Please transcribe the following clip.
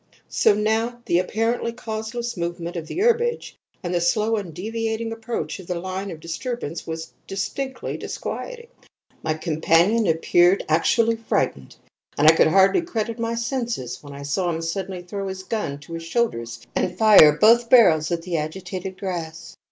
So now the apparently causeless movement of the herbage, and the slow, undeviating approach of the line of disturbance were distinctly disquieting. My companion appeared actually frightened, and I could hardly credit my senses when I saw him suddenly throw his gun to his shoulders and fire both barrels at the agitated grass!